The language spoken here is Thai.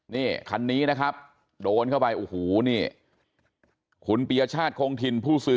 นี่คันนี้นะครับโดนเข้าไปโอ้โหนี่คุณปียชาติคงถิ่นผู้สื่อ